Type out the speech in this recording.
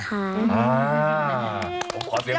ขอเสียบอกให้กับใกล้คนนี้เลย